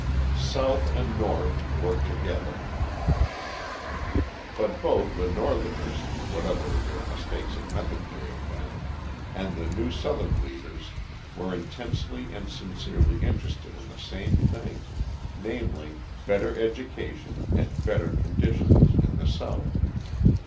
South and North Work Together But both the Northerners (whatever their mistakes in method may have been) and the new Southern leaders were intensely and sincerely interested in the same thing: namely, better education and better conditions in the South.